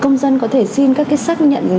công dân có thể xin các xác nhận